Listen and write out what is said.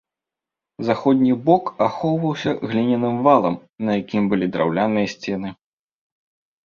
Заходні бок ахоўваўся гліняным валам, на якім былі драўляныя сцены.